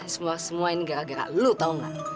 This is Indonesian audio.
semua semua ini gara gara lu tau gak